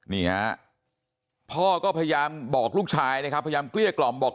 นี่ฮะพ่อก็พยายามบอกลูกชายนะครับพยายามเกลี้ยกล่อมบอก